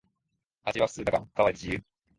味は普通だがおかわり自由